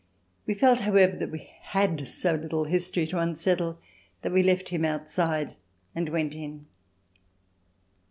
We felt, however, that we had so little history to unsettle that we left him outside and went in.